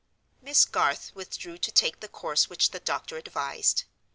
Miss Garth withdrew to take the course which the doctor advised.